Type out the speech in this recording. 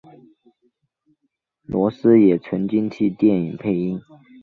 罗斯也曾经替电影配音。